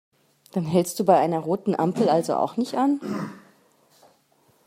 Dann hältst du bei einer roten Ampel also auch nicht an?